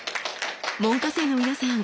門下生の皆さん